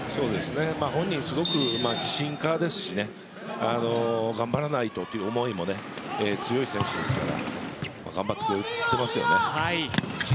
本人はすごく自信家ですし頑張らないとという思いも強い選手ですから頑張ってくれていますね。